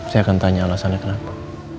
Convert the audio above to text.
saya akan tanya alasannya kenapa